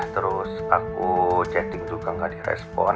terus aku chatting juga gak direspon